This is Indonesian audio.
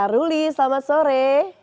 ruli selamat sore